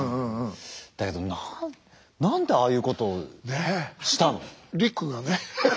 だけど何でああいうことをしたの？